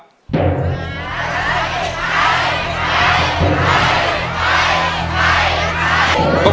ใช้ใช้ใช้ใช้ใช้ใช้ใช้